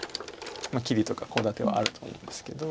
切りとかコウ立てはあると思うんですけど。